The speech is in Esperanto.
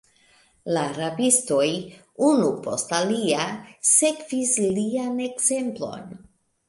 La rabistoj, unu post alia, sekvis lian ekzemplon.